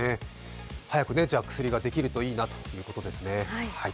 早く薬ができるといいなというところですね。